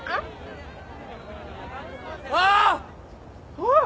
あっ！